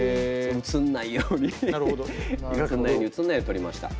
写んないように写んないように撮りました。